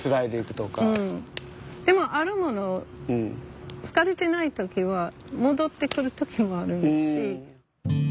でもあるもの疲れてない時は戻ってくる時もあるし。